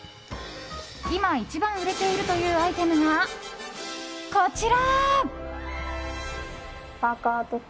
今、一番売れているというアイテムがこちら！